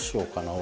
俺。